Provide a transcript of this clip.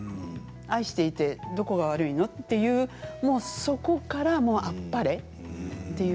愛していてどこが悪いの？っていうそこから、もうあっぱれ。